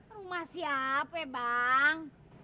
rumah siapa bang